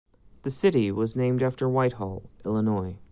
The city was named after White Hall, Illinois.